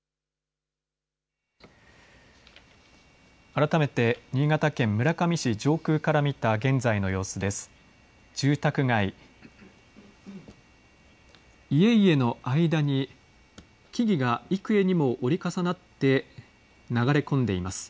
改めて新潟県村上市上空から見た現在の様子です。